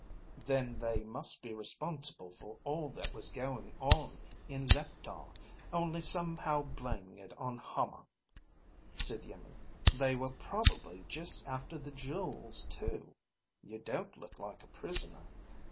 "Then they must be responsible for all that was going on in Leptar, only somehow blaming it on Hama," said Iimmi. "They were probably just after the jewels, too. You don't look like a prisoner.